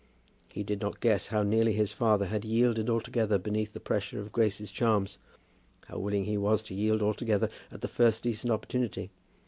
He did not guess how nearly his father had yielded altogether beneath the pressure of Grace's charms, how willing he was to yield altogether at the first decent opportunity.